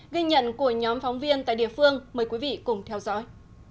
ghi nhận của nhóm phóng viên tại địa phương mời quý vị cùng theo dõi